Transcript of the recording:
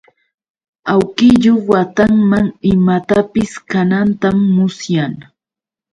Awkillu watanman imatapis kanantam musyan.